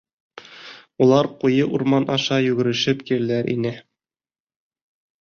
Улар ҡуйы урман аша йүгерешеп киләләр ине.